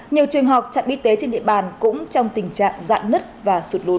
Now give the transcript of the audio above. nhiều trường học chặn bi tế trên địa bàn cũng trong tình trạng dạng nứt và sụt lún